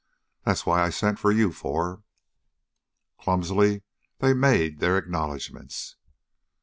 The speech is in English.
That's why I sent for you four." Clumsily they made their acknowledgements.